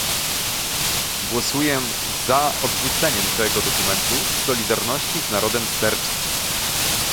Głosuję za odrzuceniem tego dokumentu z solidarności z narodem serbskim